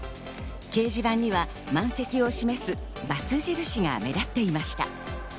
掲示板には満席を示すバツ印が目立っていました。